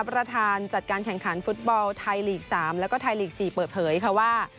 ประธานจัดการแข่งขันฟุตบอลไทยลีก๓แล้วก็ไทยลีก๔เปิดเผยค่ะว่า